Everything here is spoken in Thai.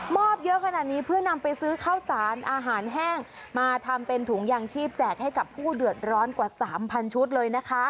อบเยอะขนาดนี้เพื่อนำไปซื้อข้าวสารอาหารแห้งมาทำเป็นถุงยางชีพแจกให้กับผู้เดือดร้อนกว่า๓๐๐ชุดเลยนะคะ